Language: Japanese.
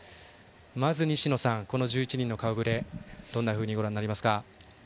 まず、西野さん１１人の顔ぶれをどんなふうにご覧になりますか？